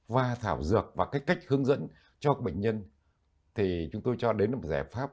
và thảo dược và cách hướng dẫn cho bệnh nhân thì chúng tôi cho đến một giải pháp